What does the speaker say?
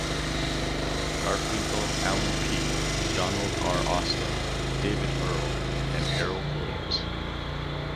Garfinkel, Alan P., Donald R. Austin, David Earle, and Harold Williams.